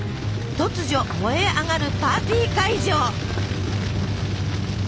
突如燃え上がるパーティー会場。